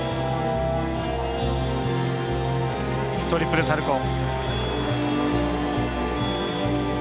トリプルサルコー。